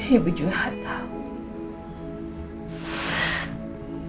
ibu juga gak tau